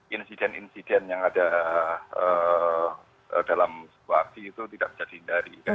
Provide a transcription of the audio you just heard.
insiden insiden yang ada dalam sebuah aksi itu tidak bisa dihindari